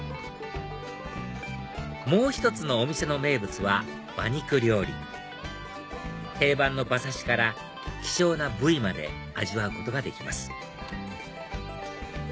もう１つのお店の名物は馬肉料理定番の馬刺しから希少な部位まで味わうことができます